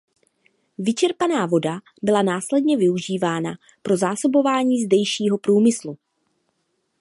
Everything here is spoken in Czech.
Vyčerpaná voda byla následně využívaná pro zásobování zdejšího průmyslu.